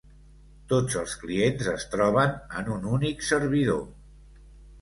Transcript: Tots els clients es troben en un únic servidor.